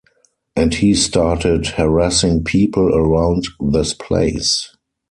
And he started harassing people around this place.